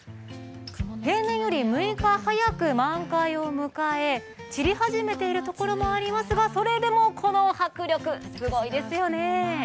平年より６日早く満開を迎え散り始めているところもありますが、それでもこの迫力、すごいですよね